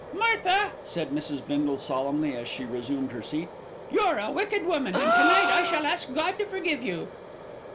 "Martha," said Mrs. Bindle solemnly, as she resumed her seat, "you're a wicked woman, and to night I shall ask God to forgive you."